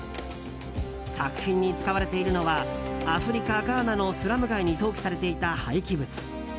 作品に使われているのはアフリカ・ガーナのスラム街に投棄されていた廃棄物。